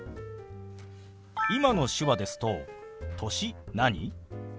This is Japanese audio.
今の手話ですと「歳何？」